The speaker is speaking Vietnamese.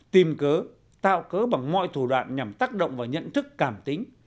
tìm cớ tạo cớ bằng mọi thủ đoạn nhằm tác động vào nhận thức cảm tính